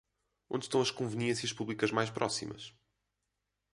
Onde estão as conveniências públicas mais próximas?